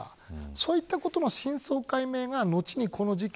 そういったことの真相解明が、後にこの事件